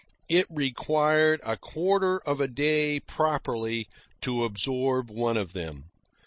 It required a quarter of a day properly to absorb one of them.